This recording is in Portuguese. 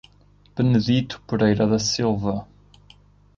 Benedito Pereira da Silva